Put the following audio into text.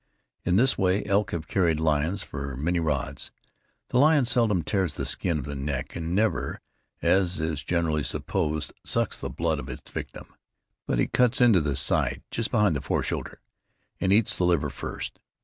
In this way elk have carried lions for many rods. The lion seldom tears the skin of the neck, and never, as is generally supposed, sucks the blood of its victim; but he cuts into the side, just behind the foreshoulder, and eats the liver first.